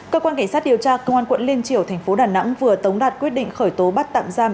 cơ quan cảnh sát điều tra công an quận liên triều thành phố đà nẵng vừa tống đạt quyết định khởi tố bắt tạm giam